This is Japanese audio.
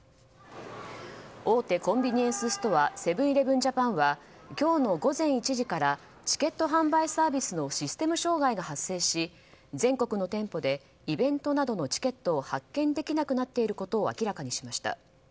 大手コンビニエンスストアセブン‐イレブン・ジャパンは今日の午前１時からチケット販売サービスのシステム障害が発生し全国の店舗でイベントなどのチケットを発券できなくなっていることを明らかにしました。